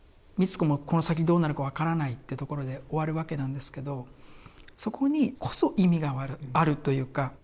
美津子もこの先どうなるか分からないってところで終わるわけなんですけどそこにこそ意味があるというか。